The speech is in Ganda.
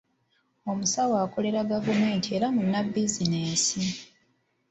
Omusawo akolera gavumenti era munnabizinensi.